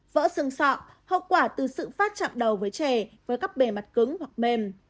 vỡ xương sọ hậu quả từ sự phát chạm đầu với trẻ với các bề mặt cứng hoặc mềm